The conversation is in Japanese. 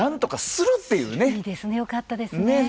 いいですねよかったですね。